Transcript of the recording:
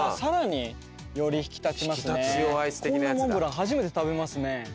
初めて食べますね。